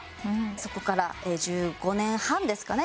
そこから１５年半ですかね